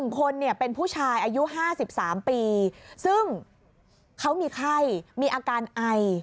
๑คนเป็นผู้ชายอายุ๕๓ปีซึ่งเขามีไข้มีอาการไอ